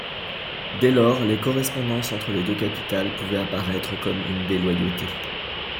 Dès lors, les correspondances entre les deux capitales pouvaient apparaître comme une déloyauté.